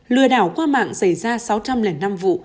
lừa đảo qua mạng xảy ra sáu trăm linh năm vụ